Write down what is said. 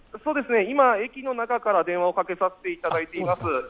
今、駅の中から電話をかけさせていただいています。